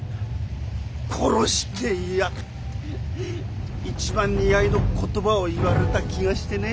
殺してやるって一番似合いの言葉を言われた気がしてね。